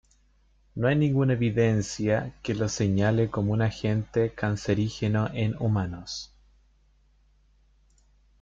No hay ninguna evidencia que lo señale como un agente cancerígeno en humanos.